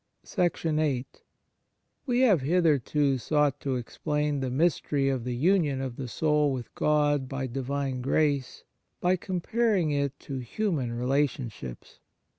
75 THE MARVELS OF DIVINE GRACE viii WE have hitherto sought to explain the mystery of the union of the soul with God by Divine grace by comparing it to human relationships.